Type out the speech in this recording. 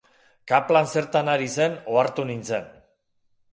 Kaplan zertan ari zen ohartu nintzen.